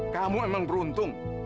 kamu emang beruntung